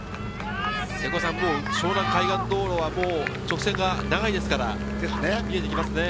もう湘南海岸道路は直線が長いですから見えてきますね。